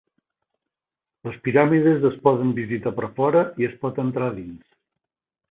Les piràmides es poden visitar per fora i es pot entrar a dins.